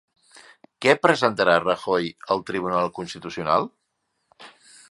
Què presentarà Rajoy al Tribunal Constitucional?